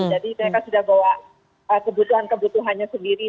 jadi mereka sudah bawa kebutuhan kebutuhannya sendiri